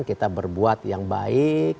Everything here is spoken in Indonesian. kita berbuat yang baik